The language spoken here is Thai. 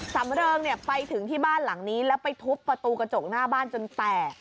สำเริงเนี่ยไปถึงที่บ้านหลังนี้แล้วไปทุบประตูกระจกหน้าบ้านจนแตก